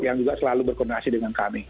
yang juga selalu berkoordinasi dengan kami